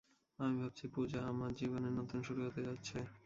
আমি ভাবছি পূজা, আমার জীবন নতুন শুরু হতে যাচ্ছে।